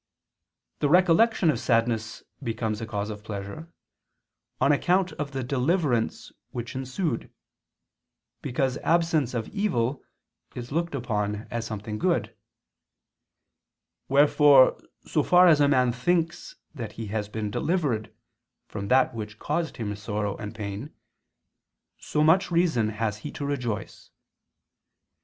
The recollection of sadness becomes a cause of pleasure, on account of the deliverance which ensued: because absence of evil is looked upon as something good; wherefore so far as a man thinks that he has been delivered from that which caused him sorrow and pain, so much reason has he to rejoice.